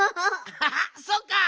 ハハッそっか！